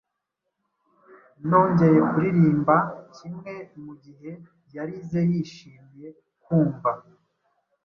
Nongeye kuririmba kimwe Mugihe yarize yishimye kumva.